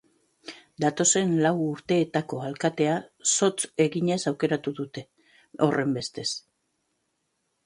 Datozen lau urteetako alkatea zotz eginez aukeratuko dute, horrenbestez.